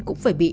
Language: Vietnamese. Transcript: cũng phải bị